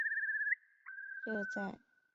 这在其他同属蠓科的物种当中实属罕见。